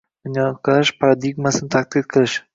dunyoqarash paradigmasini tadqiq qilish